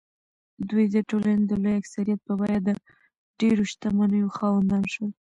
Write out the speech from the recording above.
دوی د ټولنې د لوی اکثریت په بیه د ډېرو شتمنیو خاوندان شول.